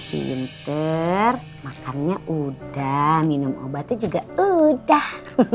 oke winter makannya udah minum obatnya juga udah